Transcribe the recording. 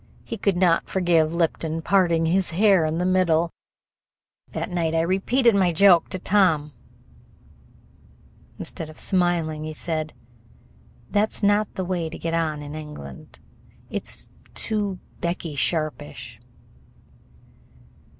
He could not forgive Lipton parting his hair in the middle. That night I repeated my joke to Tom. Instead of smiling, he said: "That's not the way to get on in England. It 's too Becky Sharpish."